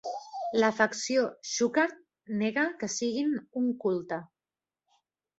La facció Schuckardt nega que siguin un culte.